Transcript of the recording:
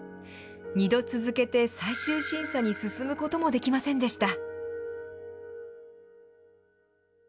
２度続けて最終審査に進むこともできませんでした。